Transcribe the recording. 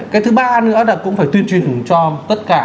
cái thứ ba nữa là cũng phải tuyên truyền cho tất cả